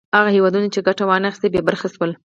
هغو هېوادونو چې ګټه وا نه خیسته بې برخې شول.